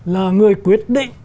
là người quyết định